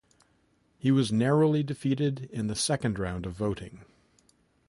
He was narrowly defeated in the second round of voting.